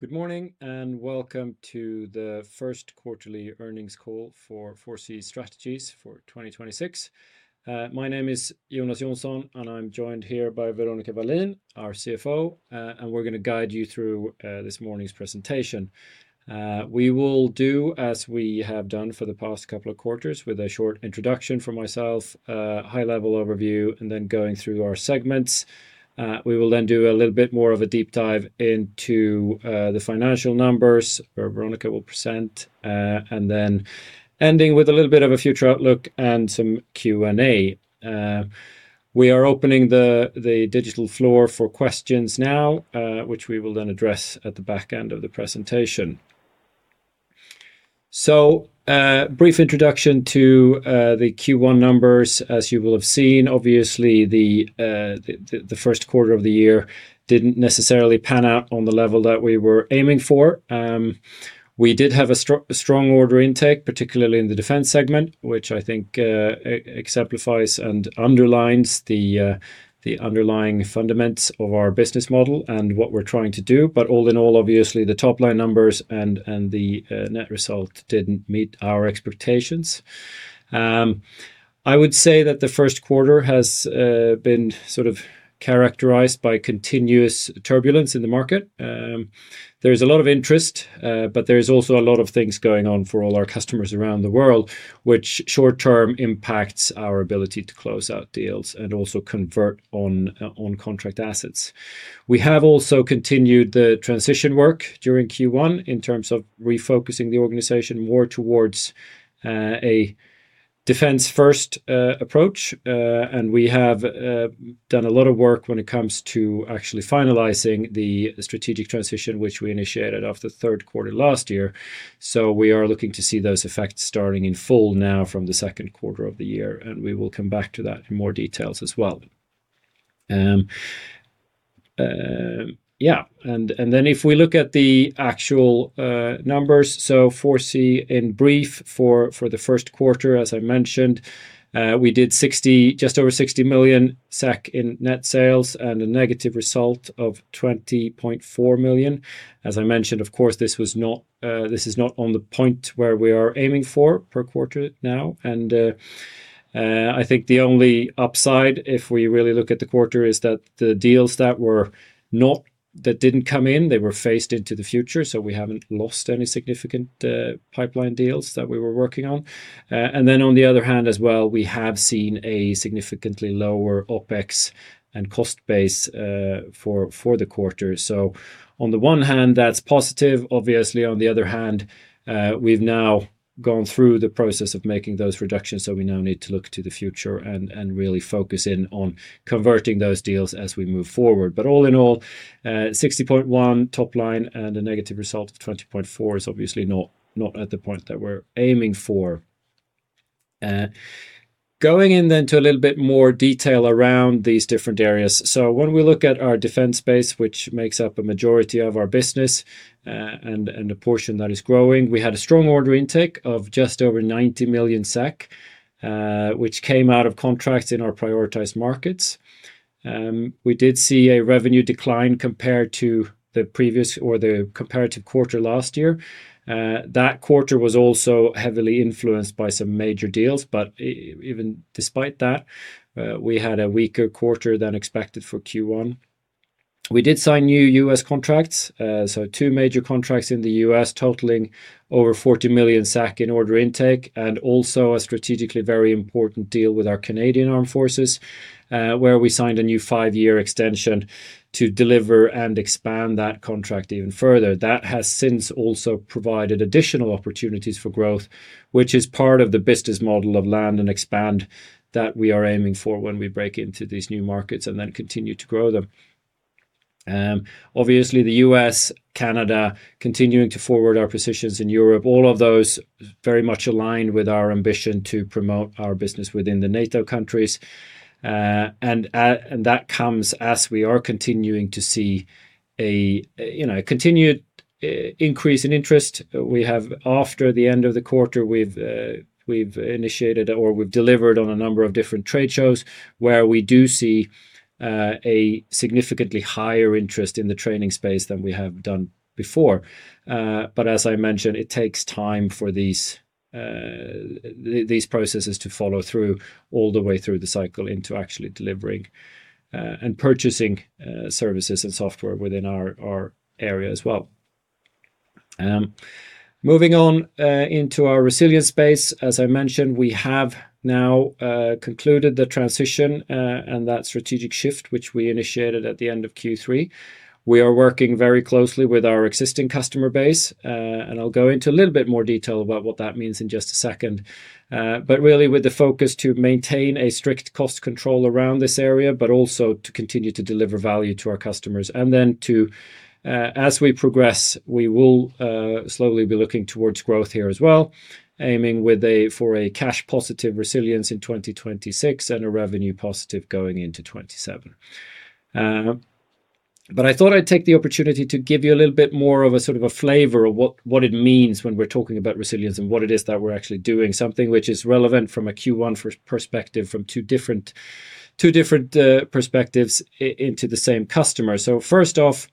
Good morning, welcome to the first quarterly earnings call for 4C Strategies for 2026. My name is Jonas Jonsson, I'm joined here by Veronica Wallin, our CFO, we're gonna guide you through this morning's presentation. We will do as we have done for the past couple of quarters, with a short introduction from myself, a high-level overview, then going through our segments. We will do a little bit more of a deep dive into the financial numbers, where Veronica will present, ending with a little bit of a future outlook and some Q&A. We are opening the digital floor for questions now, which we will then address at the back end of the presentation. A brief introduction to the Q1 numbers. As you will have seen, obviously, the first quarter of the year didn't necessarily pan out on the level that we were aiming for. We did have a strong order intake, particularly in the Defense segment, which I think exemplifies and underlines the underlying fundamentals of our business model and what we're trying to do. All in all, obviously, the top-line numbers and the net result didn't meet our expectations. I would say that the first quarter has been sort of characterized by continuous turbulence in the market. There is a lot of interest, but there is also a lot of things going on for all our customers around the world, which short-term impacts our ability to close out deals and also convert on contract assets. We have also continued the transition work during Q1 in terms of refocusing the organization more towards a Defense-first approach. We have done a lot of work when it comes to actually finalizing the strategic transition, which we initiated after the third quarter last year. We are looking to see those effects starting in full now from the second quarter of the year, and we will come back to that in more details as well. If we look at the actual numbers, 4C in brief for the first quarter, as I mentioned, we did just over 60 million SEK in net sales and a negative result of 20.4 million. As I mentioned, of course, this was not, this is not on the point where we are aiming for per quarter now. I think the only upside, if we really look at the quarter, is that the deals that didn't come in, they were phased into the future, so we haven't lost any significant pipeline deals that we were working on. On the other hand as well, we have seen a significantly lower OpEx and cost base for the quarter. On the one hand, that's positive, obviously. On the other hand, we've now gone through the process of making those reductions, so we now need to look to the future and really focus in on converting those deals as we move forward. All in all, 60.1 million top line and a negative result of 20.4 million is obviously not at the point that we're aiming for. Going in then to a little bit more detail around these different areas. When we look at our Defense base, which makes up a majority of our business, and a portion that is growing, we had a strong order intake of just over 90 million SEK, which came out of contracts in our prioritized markets. We did see a revenue decline compared to the previous or the comparative quarter last year. That quarter was also heavily influenced by some major deals, but even despite that, we had a weaker quarter than expected for Q1. We did sign new U.S. contracts, so two major contracts in the U.S. totaling over 40 million in order intake, and also a strategically very important deal with our Canadian Armed Forces, where we signed a new five-year extension to deliver and expand that contract even further. That has since also provided additional opportunities for growth, which is part of the business model of land and expand that we are aiming for when we break into these new markets and then continue to grow them. Obviously, the U.S., Canada, continuing to forward our positions in Europe, all of those very much align with our ambition to promote our business within the NATO countries. That comes as we are continuing to see a, you know, a continued increase in interest. We have after the end of the quarter, we've initiated or we've delivered on a number of different trade shows where we do see a significantly higher interest in the training space than we have done before. As I mentioned, it takes time for these processes to follow through all the way through the cycle into actually delivering and purchasing services and software within our area as well. Moving on into our Resilience space. As I mentioned, we have now concluded the transition and that strategic shift, which we initiated at the end of Q3. We are working very closely with our existing customer base, and I'll go into a little bit more detail about what that means in just a second. Really with the focus to maintain a strict cost control around this area, but also to continue to deliver value to our customers. Then to, as we progress, we will slowly be looking towards growth here as well, aiming for a cash positive Resilience in 2026 and a revenue positive going into 2027. I thought I'd take the opportunity to give you a little bit more of a sort of a flavor of what it means when we're talking about Resilience and what it is that we're actually doing, something which is relevant from a Q1 perspective from two different perspectives into the same customer. First off,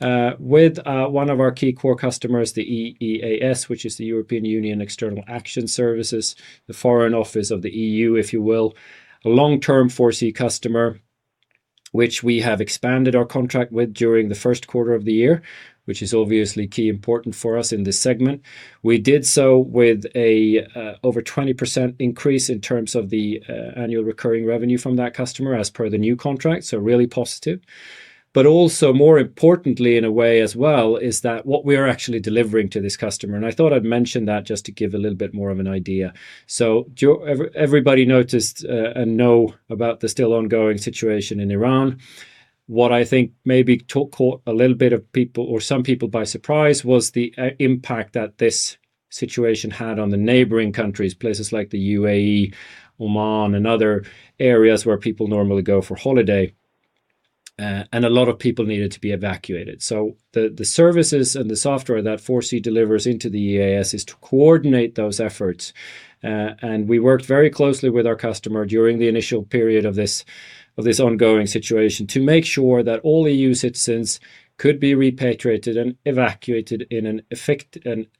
with one of our key core customers, the EEAS, which is the European External Action Service, the foreign office of the EU, if you will, a long-term 4C customer which we have expanded our contract with during the first quarter of the year, which is obviously key important for us in this segment. We did so with a over 20% increase in terms of the annual recurring revenue from that customer as per the new contract, really positive. Also more importantly, in a way as well, is that what we are actually delivering to this customer, I thought I'd mention that just to give a little bit more of an idea. Everybody noticed and know about the still ongoing situation in Iran. What I think maybe caught a little bit of people or some people by surprise was the impact that this situation had on the neighboring countries, places like the UAE, Oman, and other areas where people normally go for holiday, and a lot of people needed to be evacuated. The services and the software that 4C delivers into the EEAS is to coordinate those efforts. And we worked very closely with our customer during the initial period of this, of this ongoing situation to make sure that all EU citizens could be repatriated and evacuated in an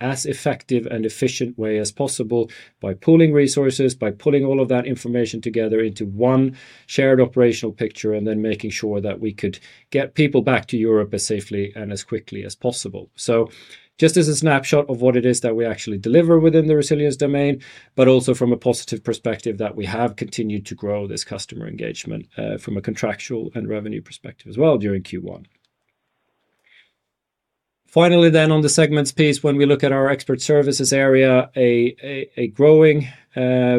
as effective and efficient way as possible by pooling resources, by pooling all of that information together into one shared operational picture, and then making sure that we could get people back to Europe as safely and as quickly as possible. Just as a snapshot of what it is that we actually deliver within the Resilience domain, but also from a positive perspective that we have continued to grow this customer engagement, from a contractual and revenue perspective as well during Q1. Finally, on the segments piece, when we look at our Expert Services area, a growing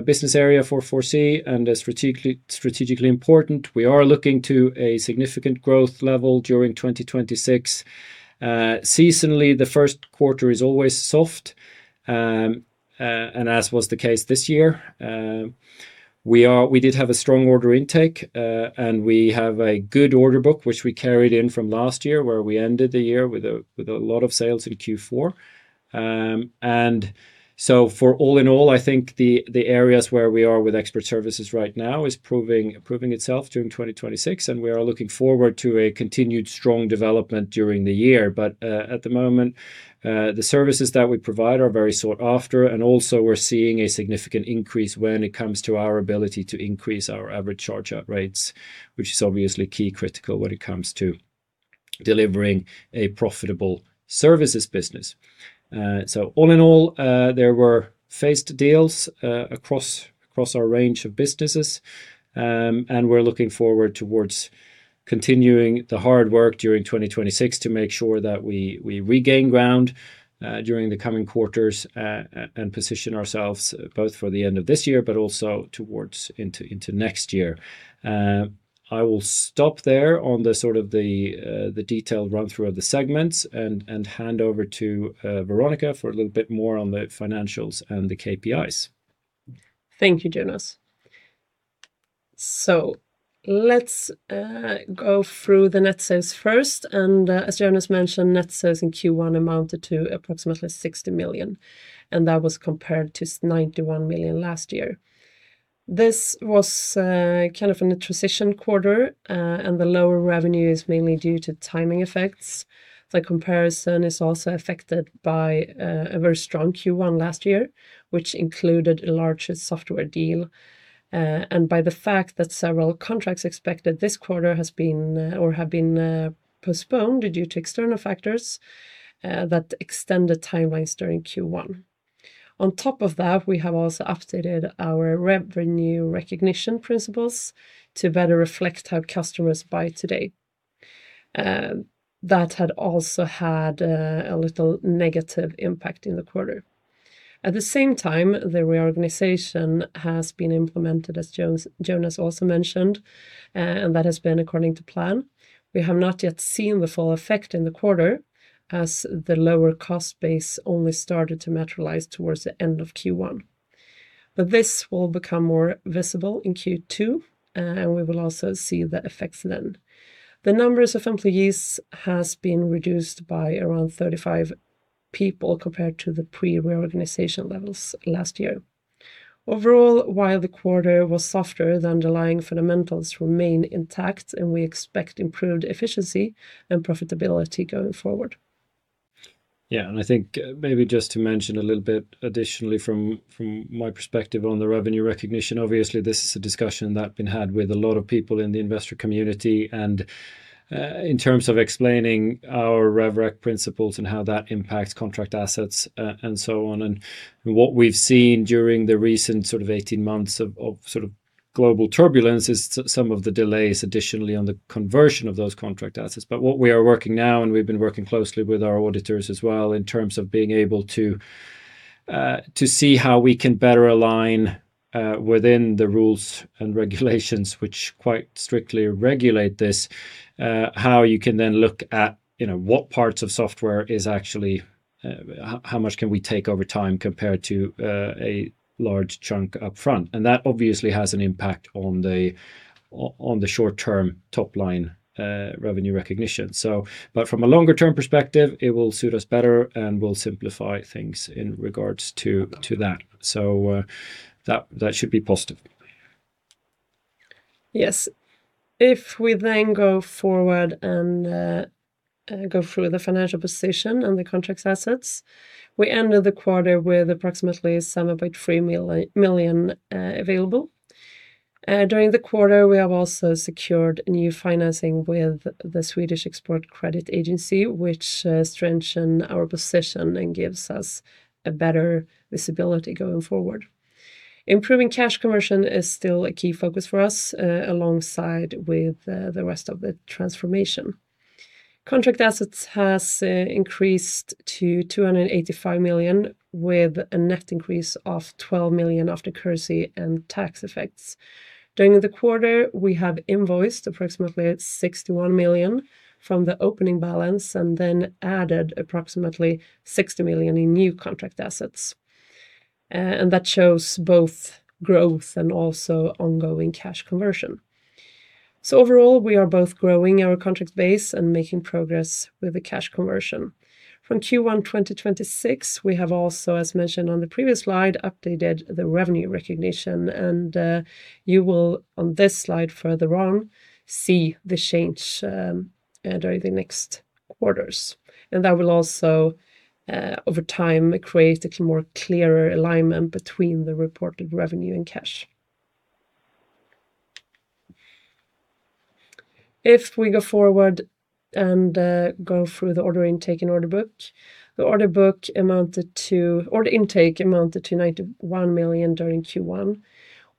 business area for 4C and is strategically important. We are looking to a significant growth level during 2026. Seasonally, the first quarter is always soft, and as was the case this year. We did have a strong order intake, and we have a good order book, which we carried in from last year, where we ended the year with a lot of sales in Q4. For all in all, I think the areas where we are with Expert Services right now is proving itself during 2026. We are looking forward to a continued strong development during the year. At the moment, the services that we provide are very sought after. We're seeing a significant increase when it comes to our ability to increase our average charge-out rates, which is obviously key critical when it comes to delivering a profitable Services business. All in all, there were phased deals across our range of businesses. We're looking forward towards continuing the hard work during 2026 to make sure that we regain ground during the coming quarters and position ourselves both for the end of this year but also towards into next year. I will stop there on the sort of the detailed run-through of the segments and hand over to Veronica for a little bit more on the financials and the KPIs. Thank you, Jonas. Let's go through the net sales first. As Jonas mentioned, net sales in Q1 amounted to approximately 60 million, and that was compared to 91 million last year. This was kind of in a transition quarter, and the lower revenue is mainly due to timing effects. The comparison is also affected by a very strong Q1 last year, which included a large software deal, and by the fact that several contracts expected this quarter has been or have been postponed due to external factors that extended timelines during Q1. On top of that, we have also updated our revenue recognition principles to better reflect how customers buy today. That had also had a little negative impact in the quarter. At the same time, the reorganization has been implemented, as Jonas also mentioned. That has been according to plan. We have not yet seen the full effect in the quarter, as the lower cost base only started to materialize towards the end of Q1. This will become more visible in Q2. We will also see the effects then. The numbers of employees has been reduced by around 35 people compared to the pre-reorganization levels last year. Overall, while the quarter was softer, the underlying fundamentals remain intact, and we expect improved efficiency and profitability going forward. I think maybe just to mention a little bit additionally from my perspective on the revenue recognition, obviously, this is a discussion that been had with a lot of people in the investor community in terms of explaining our revenue recognition principles and how that impacts contract assets and so on. What we've seen during the recent sort of 18 months of sort of global turbulence is some of the delays additionally on the conversion of those contract assets. What we are working now, and we've been working closely with our auditors as well, in terms of being able to see how we can better align within the rules and regulations which quite strictly regulate this, how you can then look at, you know, what parts of software is actually, how much can we take over time compared to a large chunk up front? That obviously has an impact on the short-term top line revenue recognition. From a longer-term perspective, it will suit us better, and we'll simplify things in regards to that. That should be positive. Yes. If we then go forward and go through the financial position and the contract assets, we ended the quarter with approximately 7.3 million available. During the quarter, we have also secured new financing with the Swedish Export Credit Agency, which strengthen our position and gives us a better visibility going forward. Improving cash conversion is still a key focus for us, alongside with the rest of the transformation. Contract assets has increased to 285 million, with a net increase of 12 million after currency and tax effects. During the quarter, we have invoiced approximately 61 million from the opening balance and then added approximately 60 million in new contract assets. That shows both growth and also ongoing cash conversion. Overall, we are both growing our contract base and making progress with the cash conversion. From Q1 2026, we have also, as mentioned on the previous slide, updated the revenue recognition, and you will, on this slide further on, see the change during the next quarters. That will also, over time, create a more clearer alignment between the reported revenue and cash. If we go forward and go through the order intake and order book, order intake amounted to 91 million during Q1,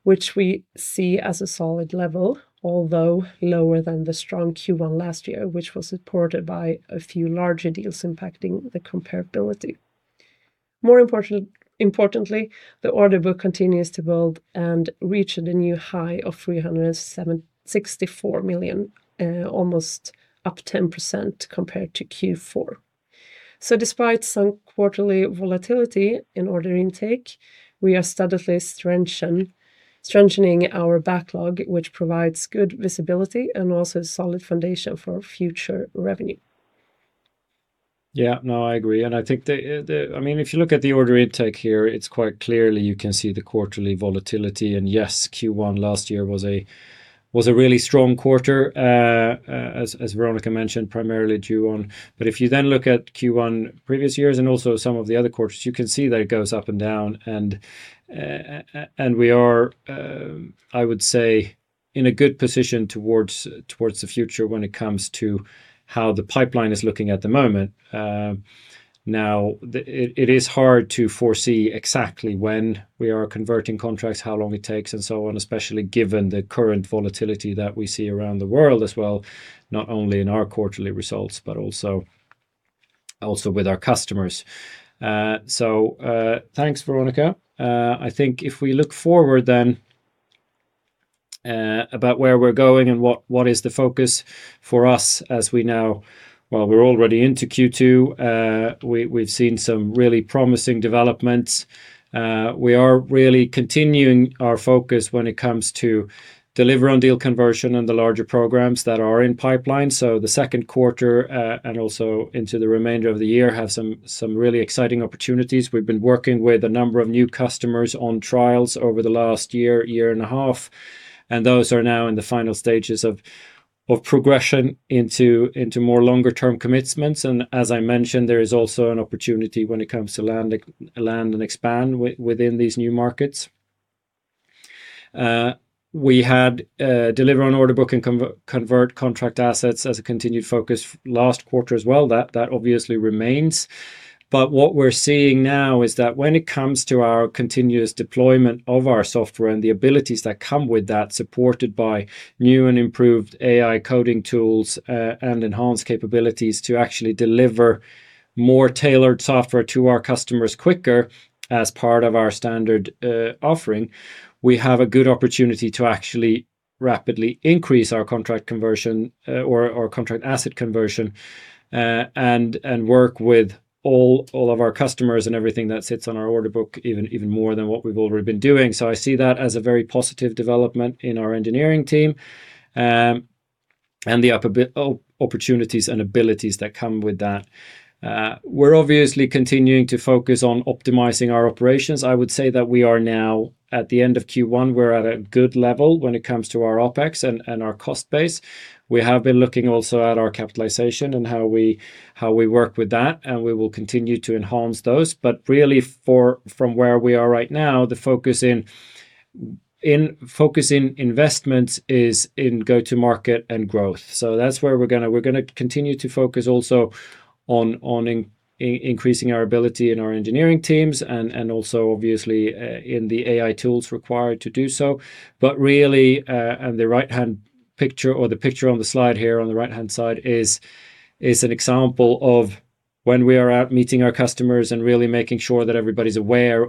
which we see as a solid level, although lower than the strong Q1 last year, which was supported by a few larger deals impacting the comparability. Importantly, the order book continues to build and reached a new high of 364 million, almost up 10% compared to Q4. Despite some quarterly volatility in order intake, we are steadily strengthening our backlog, which provides good visibility and also solid foundation for future revenue. Yeah. No, I agree. I think, I mean, if you look at the order intake here, it's quite clearly you can see the quarterly volatility. Yes, Q1 last year was a really strong quarter, as Veronica mentioned, primarily due on. If you look at Q1 previous years and also some of the other quarters, you can see that it goes up and down. We are, I would say, in a good position towards the future when it comes to how the pipeline is looking at the moment. Now, it is hard to foresee exactly when we are converting contracts, how long it takes and so on, especially given the current volatility that we see around the world as well, not only in our quarterly results, but also with our customers. Thanks, Veronica. I think if we look forward about where we're going and what is the focus for us as we're already into Q2. We've seen some really promising developments. We are really continuing our focus when it comes to deliver on deal conversion and the larger programs that are in pipeline. The second quarter, and also into the remainder of the year have some really exciting opportunities. We've been working with a number of new customers on trials over the last year and a half, and those are now in the final stages of progression into more longer-term commitments. As I mentioned, there is also an opportunity when it comes to land and expand within these new markets. We had deliver on order book and convert contract assets as a continued focus last quarter as well. That obviously remains. What we're seeing now is that when it comes to our continuous deployment of our software and the abilities that come with that, supported by new and improved AI coding tools, and enhanced capabilities to actually deliver more tailored software to our customers quicker as part of our standard offering, we have a good opportunity to actually rapidly increase our contract conversion, or contract asset conversion, and work with all of our customers and everything that sits on our order book even more than what we've already been doing. I see that as a very positive development in our engineering team, and the opportunities and abilities that come with that. We're obviously continuing to focus on optimizing our operations. I would say that we are now at the end of Q1, we're at a good level when it comes to our OpEx and our cost base. We have been looking also at our capitalization and how we work with that, and we will continue to enhance those. Really from where we are right now, the focus in investments is in go-to market and growth. That's where we're gonna continue to focus also on increasing our ability in our engineering teams and also obviously in the AI tools required to do so. Really, and the right-hand picture or the picture on the slide here on the right-hand side is an example of when we are out meeting our customers and really making sure that everybody's aware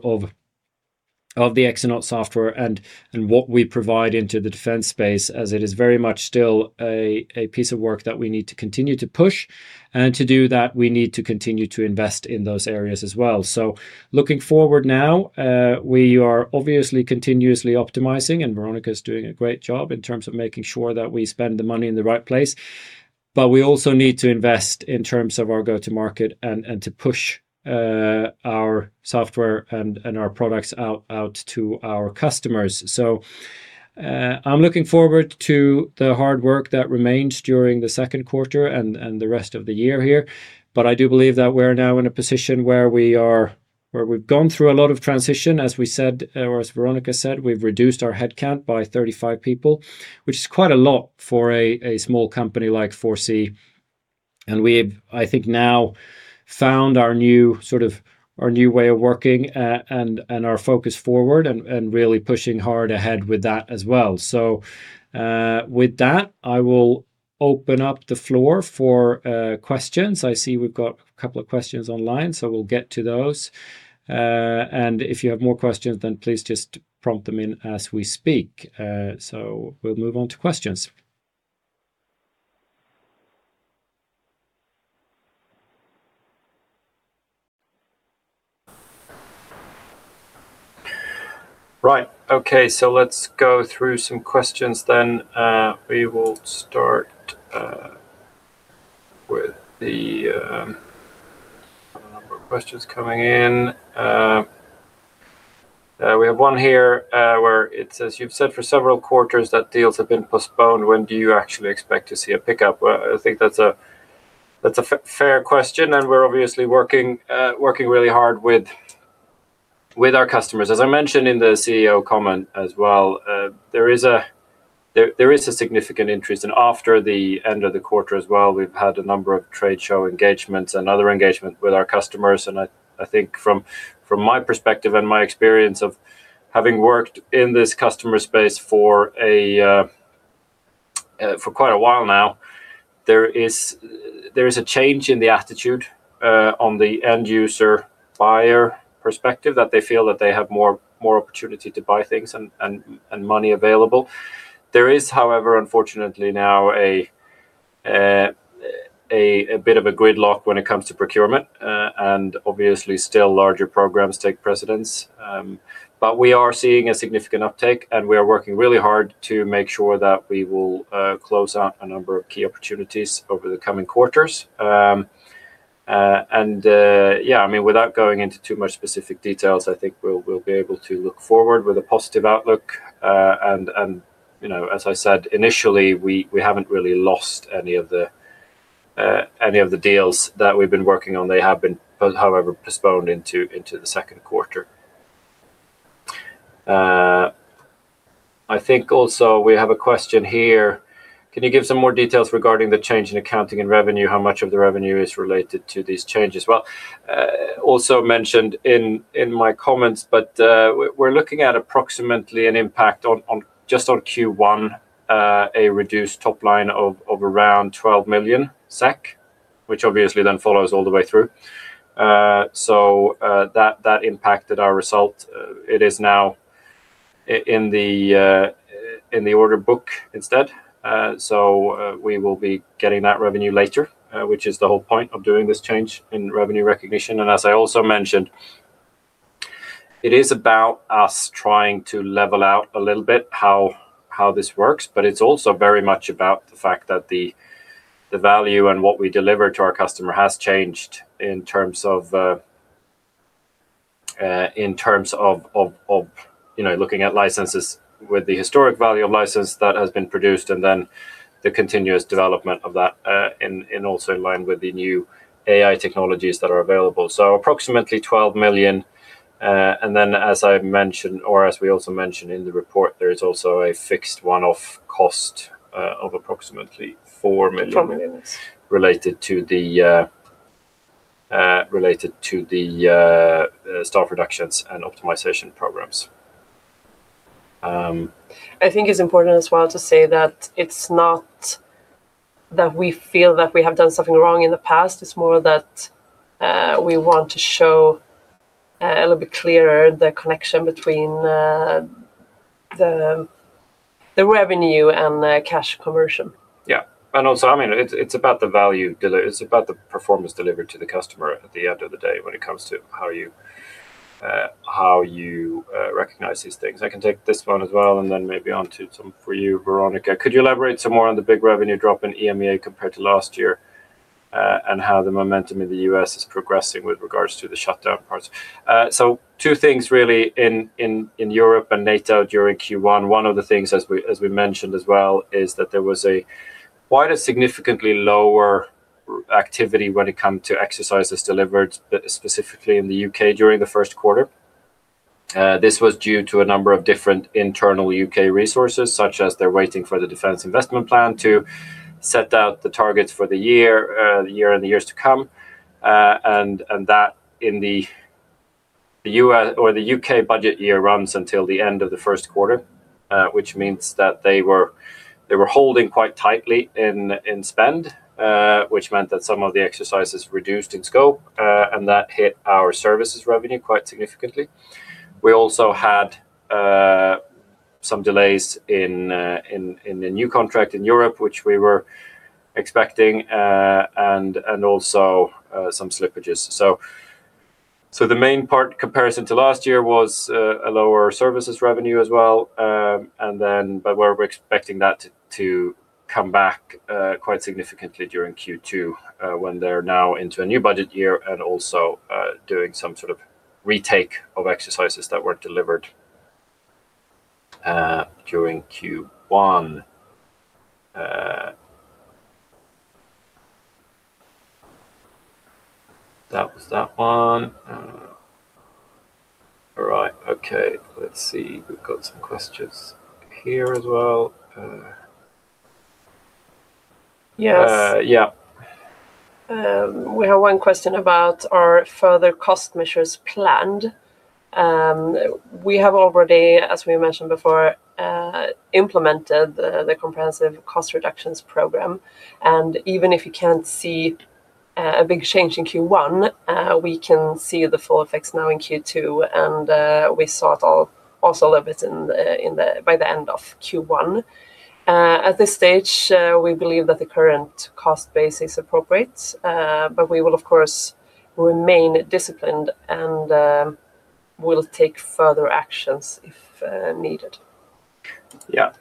of the Exonaut software and what we provide into the defense space as it is very much still a piece of work that we need to continue to push. To do that, we need to continue to invest in those areas as well. Looking forward now, we are obviously continuously optimizing, and Veronica's doing a great job in terms of making sure that we spend the money in the right place. We also need to invest in terms of our go-to-market and to push our software and our products out to our customers. I'm looking forward to the hard work that remains during the second quarter and the rest of the year here. I do believe that we're now in a position where we've gone through a lot of transition, as we said, or as Veronica said, we've reduced our headcount by 35 people, which is quite a lot for a small company like 4C. We've, I think, now found our new sort of, our new way of working, and our focus forward and really pushing hard ahead with that as well. With that, I will open up the floor for questions. I see we've got a couple of questions online, we'll get to those. If you have more questions, please just prompt them in as we speak. We'll move on to questions. Let's go through some questions then. We will start with a number of questions coming in. We have one here where it says, You've said for several quarters that deals have been postponed. When do you actually expect to see a pickup? Well, I think that's a, that's a fair question, and we're obviously working really hard with our customers. As I mentioned in the CEO comment as well, there is a significant interest, and after the end of the quarter as well, we've had a number of trade show engagements and other engagement with our customers. I think from my perspective and my experience of having worked in this customer space for quite a while now, there is a change in the attitude on the end user buyer perspective that they feel that they have more opportunity to buy things and money available. There is, however, unfortunately now a bit of a gridlock when it comes to procurement, and obviously still larger programs take precedence. We are seeing a significant uptake, and we are working really hard to make sure that we will close out a number of key opportunities over the coming quarters. Yeah, I mean, without going into too much specific details, I think we'll be able to look forward with a positive outlook. You know, as I said initially, we haven't really lost any of the deals that we've been working on. They have been, however, postponed into the second quarter. I think also we have a question here. Can you give some more details regarding the change in accounting and revenue? How much of the revenue is related to these changes? Well, also mentioned in my comments, we're looking at approximately an impact on just on Q1, a reduced top line of around 12 million SEK, which obviously then follows all the way through. That impacted our result. It is now in the order book instead. We will be getting that revenue later, which is the whole point of doing this change in revenue recognition. As I also mentioned, it is about us trying to level out a little bit how this works, but it's also very much about the fact that the value and what we deliver to our customer has changed in terms of, in terms of, of, you know, looking at licenses with the historic value of license that has been produced and then the continuous development of that, and also in line with the new AI technologies that are available. Approximately 12 million, and then as I mentioned, or as we also mentioned in the report, there is also a fixed one-off cost of approximately 4 million. 4 million... related to the staff reductions and optimization programs. I think it's important as well to say that it's not that we feel that we have done something wrong in the past. It's more that we want to show a little bit clearer the connection between the revenue and the cash conversion. I mean, it's about the performance delivered to the customer at the end of the day when it comes to how you recognize these things. I can take this one as well, and then maybe onto some for you, Veronica. Could you elaborate some more on the big revenue drop in EMEA compared to last year, and how the momentum in the U.S. is progressing with regards to the shutdown parts? Two things really in Europe and NATO during Q1. One of the things, as we mentioned as well, is that there was quite a significantly lower activity when it come to exercises delivered, specifically in the U.K. during the first quarter. This was due to a number of different internal U.K. resources, such as they're waiting for the defense investment plan to set out the targets for the year, the year and the years to come. The U.S. or the U.K. budget year runs until the end of the first quarter. Which means that they were holding quite tightly in spend, which meant that some of the exercises reduced in scope, and that hit our Services revenue quite significantly. We also had some delays in the new contract in Europe, which we were expecting, and also some slippages. The main part comparison to last year was a lower services revenue as well. We're expecting that to come back, quite significantly during Q2, when they're now into a new budget year and also doing some sort of retake of exercises that were delivered during Q1. That was that one. All right. Okay, let's see. We've got some questions here as well. Yes Yeah. We have one question about are further cost measures planned. We have already, as we mentioned before, implemented the comprehensive cost reductions program, and even if you can't see a big change in Q1, we can see the full effects now in Q2, and we saw it all also a little bit by the end of Q1. At this stage, we believe that the current cost base is appropriate, but we will of course remain disciplined and will take further actions if needed. Yeah,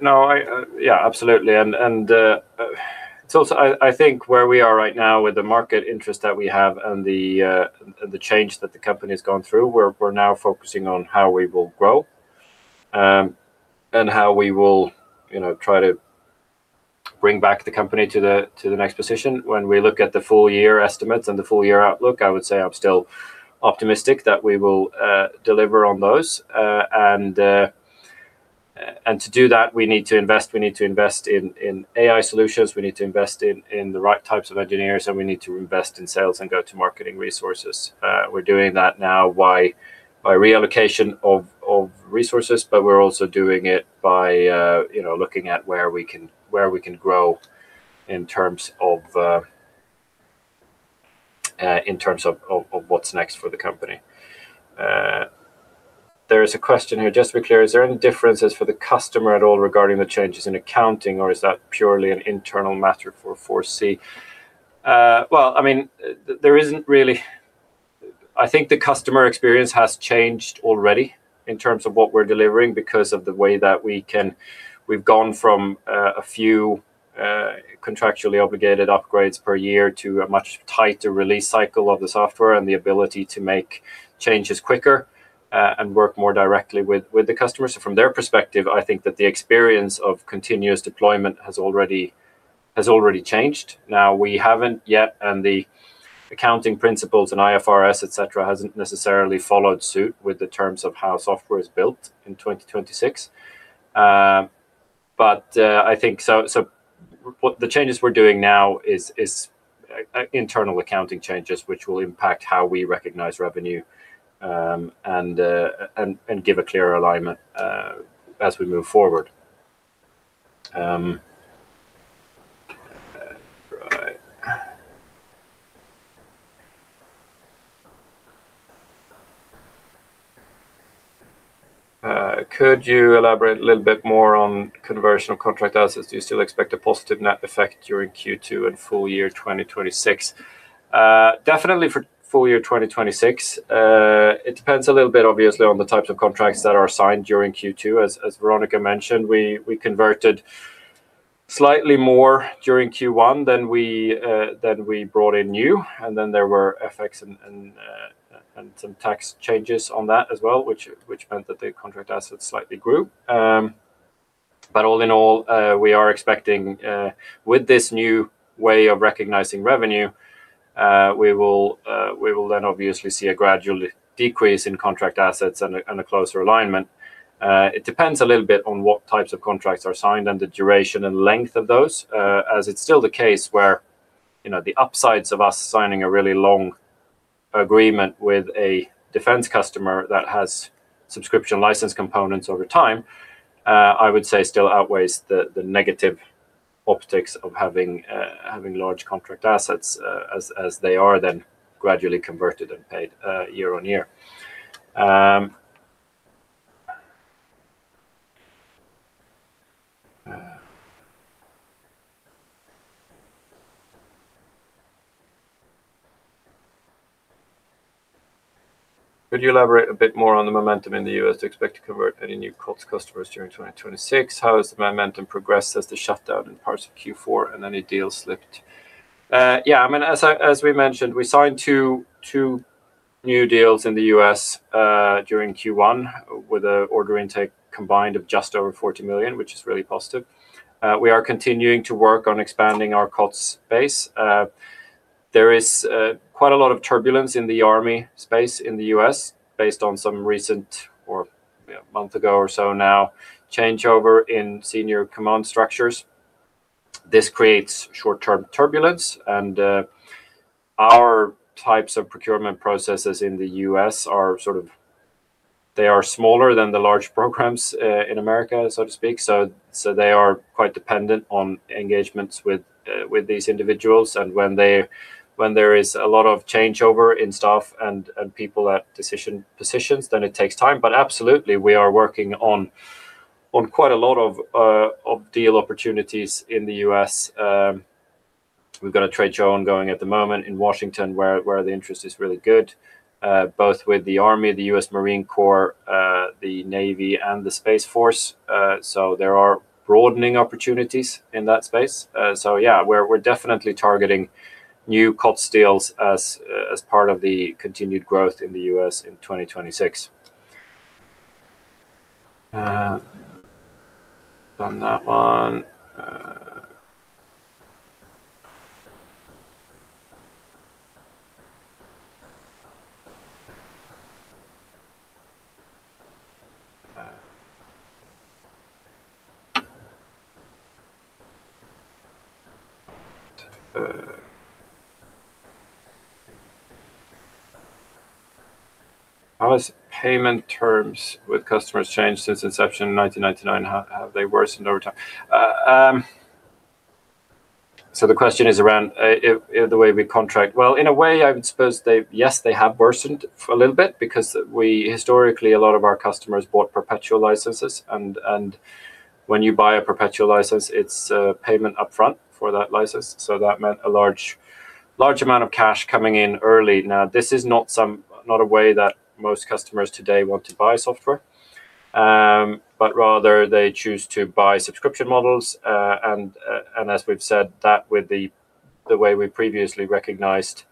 absolutely. It's also, I think where we are right now with the market interest that we have and the change that the company's gone through, we're now focusing on how we will grow and how we will, you know, try to bring back the company to the next position. When we look at the full-year estimates and the full-year outlook, I would say I'm still optimistic that we will deliver on those. To do that, we need to invest. We need to invest in AI solutions, we need to invest in the right types of engineers, and we need to invest in sales and go-to-marketing resources. We're doing that now by reallocation of resources, but we're also doing it by, you know, looking at where we can, where we can grow in terms of, in terms of, of what's next for the company. There is a question here. Just to be clear, is there any differences for the customer at all regarding the changes in accounting, or is that purely an internal matter for 4C? Well, I mean, there isn't really. I think the customer experience has changed already in terms of what we're delivering because of the way that we've gone from a few contractually obligated upgrades per year to a much tighter release cycle of the software and the ability to make changes quicker, and work more directly with the customers. From their perspective, I think that the experience of continuous deployment has already changed. We haven't yet, and the accounting principles and IFRS, et cetera, hasn't necessarily followed suit with the terms of how software is built in 2026. I think what the changes we're doing now is internal accounting changes, which will impact how we recognize revenue, and give a clearer alignment as we move forward. Right. Could you elaborate a little bit more on conversion of contract assets? Do you still expect a positive net effect during Q2 and full-year 2026? Definitely for full-year 2026. It depends a little bit, obviously, on the types of contracts that are signed during Q2. As Veronica mentioned, we converted slightly more during Q1 than we brought in new, and then there were FX and some tax changes on that as well, which meant that the contract assets slightly grew. All in all, we are expecting with this new way of recognizing revenue, we will then obviously see a gradual decrease in contract assets and a closer alignment. It depends a little bit on what types of contracts are signed and the duration and length of those, as it's still the case where, you know, the upsides of us signing a really long agreement with a defense customer that has subscription license components over time, I would say still outweighs the negative optics of having large contract assets as they are then gradually converted and paid year-on-year. Could you elaborate a bit more on the momentum in the U.S. to expect to convert any new COTS customers during 2026? How has the momentum progressed as the shutdown in parts of Q4 and any deals slipped? Yeah, I mean, as I, as we mentioned, we signed two new deals in the U.S. during Q1 with a order intake combined of just over 40 million, which is really positive. We are continuing to work on expanding our COTS space. There is quite a lot of turbulence in the Army space in the U.S. based on some recent or, you know, a month ago or so now, changeover in senior command structures. This creates short-term turbulence and our types of procurement processes in the U.S. are smaller than the large programs in America, so to speak. They are quite dependent on engagements with these individuals and when there is a lot of changeover in staff and people at decision positions, then it takes time. Absolutely, we are working on quite a lot of deal opportunities in the U.S. We've got a trade show ongoing at the moment in Washington where the interest is really good, both with the Army, the U.S. Marine Corps, the Navy, and the Space Force. There are broadening opportunities in that space. Yeah, we're definitely targeting new COTS deals as part of the continued growth in the U.S. in 2026. That one. How has payment terms with customers changed since inception in 1999? How have they worsened over time? The question is around if the way we contract. Well, in a way, I would suppose they Yes, they have worsened for a little bit because historically, a lot of our customers bought perpetual licenses and when you buy a perpetual license, it's a payment upfront for that license. That meant a large amount of cash coming in early. This is not a way that most customers today want to buy software, but rather they choose to buy subscription models. As we've said, that with the way we previously recognized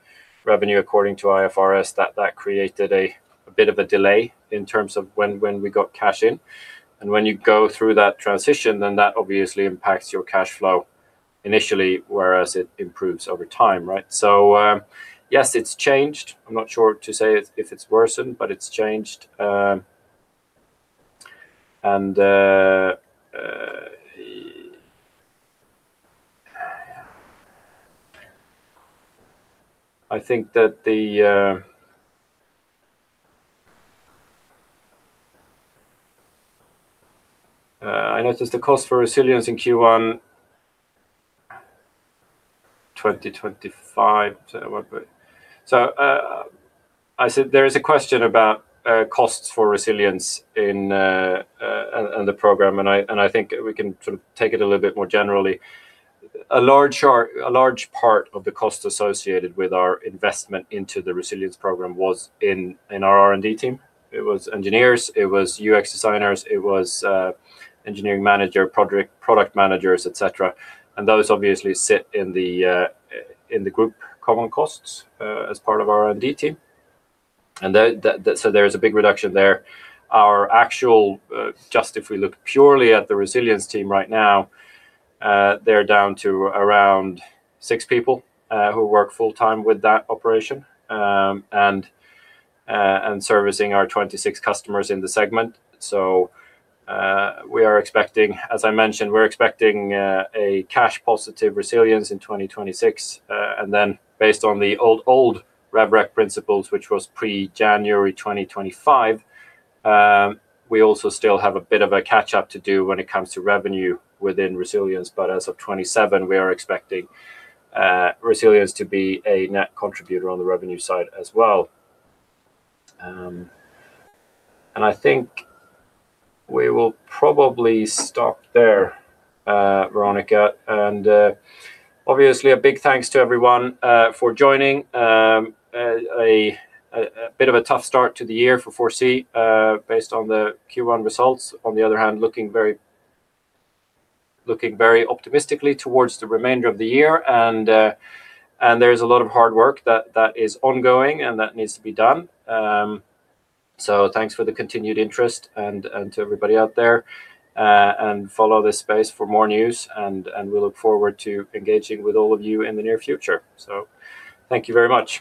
revenue according to IFRS, that created a bit of a delay in terms of when we got cash in. When you go through that transition, then that obviously impacts your cash flow initially, whereas it improves over time, right? Yes, it's changed. I'm not sure to say if it's worsened, but it's changed. I think that I noticed the cost for Resilience in Q1 2025. I said there is a question about costs for Resilience in the program, and I think we can sort of take it a little bit more generally. A large part of the cost associated with our investment into the Resilience program was in our R&D team. It was engineers, it was UX designers, it was Engineering Manager, Product Managers, et cetera. Those obviously sit in the group common costs as part of our R&D team. There is a big reduction there. Our actual, just if we look purely at the Resilience team right now, they're down to around six people who work full-time with that operation, and servicing our 26 customers in the segment. We are expecting, as I mentioned, a cash positive Resilience in 2026. Based on the old rev rec principles, which was pre January 2025, we also still have a bit of a catch-up to do when it comes to revenue within Resilience. As of 2027, we are expecting Resilience to be a net contributor on the revenue side as well. I think we will probably stop there, Veronica. Obviously a big thanks to everyone for joining. A bit of a tough start to the year for 4C, based on the Q1 results. Looking very optimistically towards the remainder of the year and there's a lot of hard work that is ongoing and that needs to be done. Thanks for the continued interest and to everybody out there, and follow this space for more news and we look forward to engaging with all of you in the near future. Thank you very much.